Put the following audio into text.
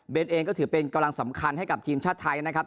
เป็นเองก็ถือเป็นกำลังสำคัญให้กับทีมชาติไทยนะครับ